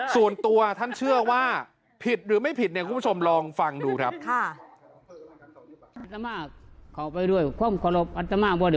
ส่วนตัวท่านเชื่อว่าผิดหรือไม่ผิดเนี่ยคุณผู้ชมลองฟังดูครับ